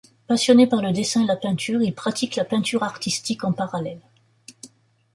Passionné par le dessin et la peinture, il pratique la peinture artistique en parallèle.